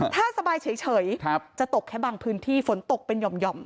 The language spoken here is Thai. ถ้าสบายเฉยจะตกแค่บางพื้นที่ฝนตกเป็นห่อม